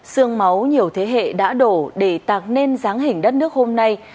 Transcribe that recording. sương máu nhiều thế hệ đã đổ để tạc nên dáng hình đất nước hôm nay